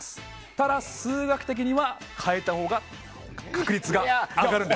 ただ、数学的には変えたほうが確率が上がるんです。